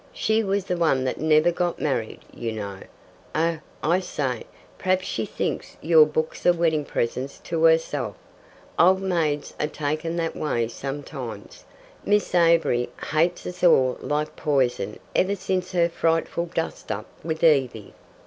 She was the one that never got married, you know. Oh, I say, perhaps she thinks your books are wedding presents to herself. Old maids are taken that way sometimes. Miss Avery hates us all like poison ever since her frightful dust up with Evie."